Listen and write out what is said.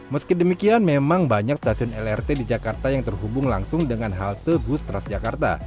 meski demikian memang banyak stasiun lrt di jakarta yang terhubung langsung dengan halte bus transjakarta